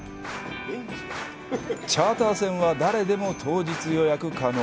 チャーター船は、誰でも当日予約可能。